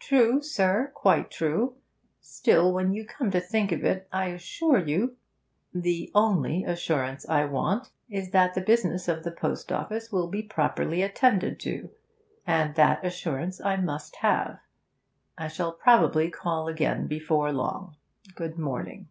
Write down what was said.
'True, sir, quite true. Still, when you come to think of it I assure you ' 'The only assurance I want is that the business of the post office will be properly attended to, and that assurance I must have. I shall probably call again before long. Good morning.'